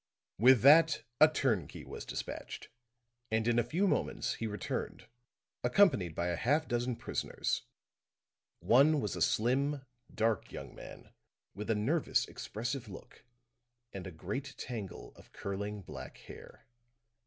With that a turnkey was dispatched; and in a few moments he returned, accompanied by a half dozen prisoners; one was a slim, dark young man with a nervous, expressive look, and a great tangle of curling black hair.